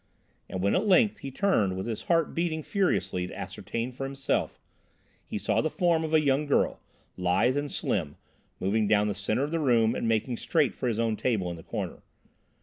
And when at length he turned with his heart beating furiously to ascertain for himself, he saw the form of a young girl, lithe and slim, moving down the centre of the room and making straight for his own table in the corner.